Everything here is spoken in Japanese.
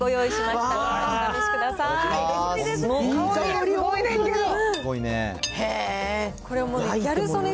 すごいね。